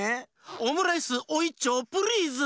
オムライスおいっちょうプリーズ！